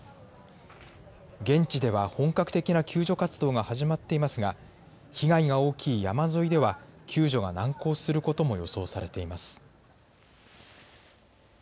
現地では本格的な救助活動が始まっていますが、被害が大きい山沿いでは救助が難航することも予想されています。